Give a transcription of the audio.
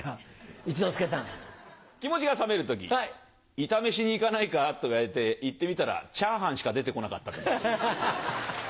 「イタ飯に行かないか？」と言われて行ってみたらチャーハンしか出てこなかった時。